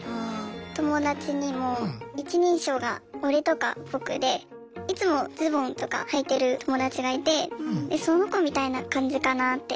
友達にも一人称が「俺」とか「僕」でいつもズボンとかはいてる友達がいてその子みたいな感じかなって。